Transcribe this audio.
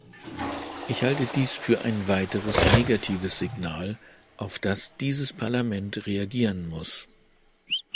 Ich halte dies für ein weiteres negatives Signal, auf das dieses Parlament reagieren muss.